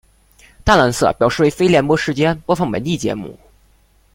淡蓝色表示为非联播时间播放本地节目。